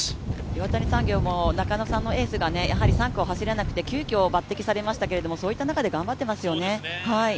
岩谷産業もエースの中野さんが３区を走れなくて急きょ抜てきされましたけれども、そういった中で頑張ってますよね。